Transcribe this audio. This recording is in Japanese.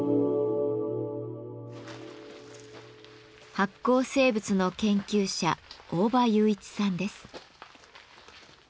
発光生物の研究者大場裕一さんです。